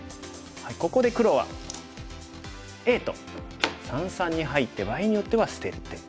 ここで黒はＡと三々に入って場合によっては捨てる手。